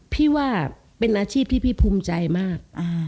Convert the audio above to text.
พี่ว่าเป็นอาชีพที่พี่ภูมิใจมาก